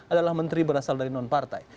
adalah menteri berasal dari non partai